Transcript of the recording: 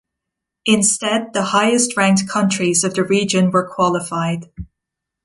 Instead the highest ranked countries of the region were qualified.